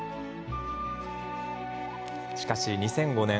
しかし、２００５年。